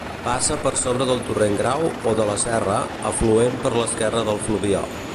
Passa per sobre del torrent Grau o de la serra, afluent per l'esquerra del Fluvià.